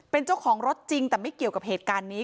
เป็นเจ้าของรถจริงแต่ไม่เกี่ยวกับเหตุการณ์นี้